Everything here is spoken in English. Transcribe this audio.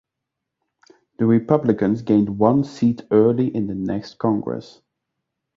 The Republicans gained one seat early in the next Congress.